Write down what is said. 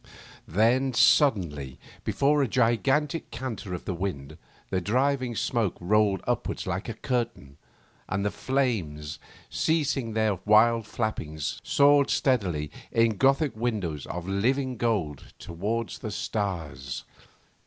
Then, suddenly, before a gigantic canter of the wind, the driving smoke rolled upwards like a curtain, and the flames, ceasing their wild flapping, soared steadily in gothic windows of living gold towards the stars.